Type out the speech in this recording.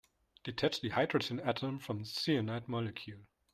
Detach the hydrogen atom from the cyanide molecule.